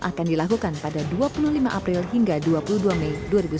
akan dilakukan pada dua puluh lima april hingga dua puluh dua mei dua ribu sembilan belas